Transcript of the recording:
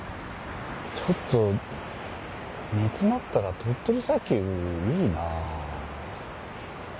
ちょっと煮詰まったら鳥取砂丘いいなぁ。